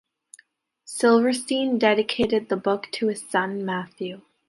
Silverstein dedicated the book to his son, Matthew.